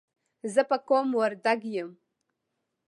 زه په قوم وردګ یم.